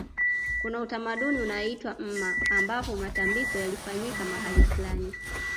Kuna utamaduni unaoitwa mma ambapo matambiko yalifanyika mahali fulani